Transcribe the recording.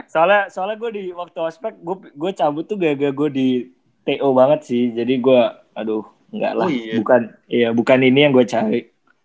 soalnya soalnya gue di waktu ospec gue cabut tuh gaga gue di to banget sih jadi gue aduh enggak lah bukan ini yang gue cari